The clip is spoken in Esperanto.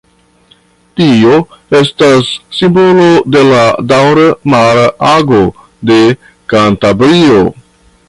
Tio estas simbolo de la daŭra mara ago de Kantabrio.